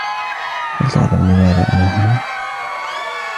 هل تعلم لماذا انا هنا؟